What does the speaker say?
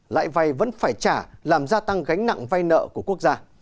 lại vay vẫn phải trả làm gia tăng gánh nặng vay nợ của quốc gia